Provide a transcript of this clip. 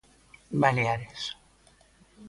Baleares.